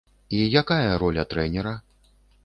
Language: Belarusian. І якая роля трэнера?